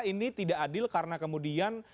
ini tidak adil karena kemudian